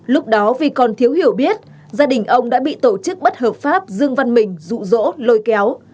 lúc đó vì còn thiếu hiểu biết gia đình ông đã bị tổ chức bất hợp pháp dương văn mình rụ rỗ lôi kéo